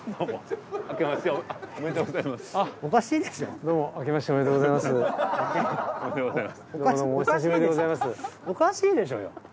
おかしいでしょうよ。